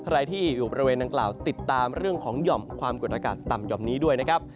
ใครที่อยู่บริเวณดังกล่าวติดตามเรื่องของหย่อมความกดอากาศต่ำหย่อมนี้ด้วยนะครับ